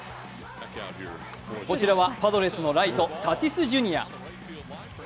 こちらはパドレスのライトタティスＪｒ．。